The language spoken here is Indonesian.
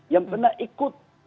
yang pernah ikut